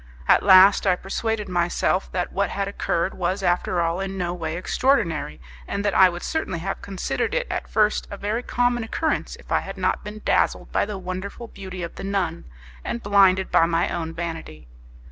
At last I persuaded myself that what had occurred was after all in no way extraordinary, and that I would certainly have considered it at first a very common occurrence if I had not been dazzled by the wonderful beauty of the nun, and blinded by my own vanity.